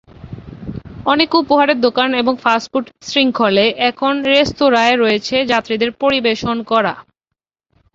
অনেক উপহারের দোকান এবং ফাস্ট ফুড শৃঙ্খলে এখন রেস্তোরাঁয় রয়েছে যাত্রীদের পরিবেশন করা।